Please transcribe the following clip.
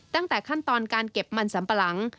ตั้งแต่ขั้นตอนการเก็บมันสัมปะหลัง